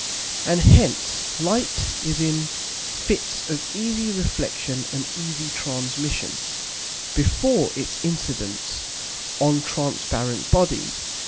And hence Light is in Fits of easy Reflexion and easy Transmission, before its Incidence on transparent Bodies.